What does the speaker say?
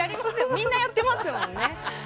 みんなやってますよね。